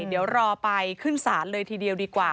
เดี๋ยวรอไปขึ้นศาลเลยทีเดียวดีกว่า